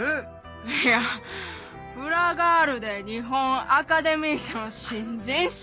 いや『フラガール』で日本アカデミー賞新人賞。